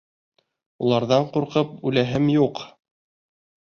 Уларҙан ҡурҡып үләһем юҡ!